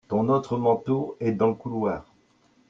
Ton autre manteau est dans le couloir.